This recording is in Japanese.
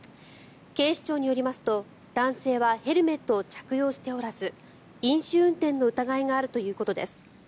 警視庁によりますと男性はヘルメットを着用しておらず飲酒運転の疑いがあるということです。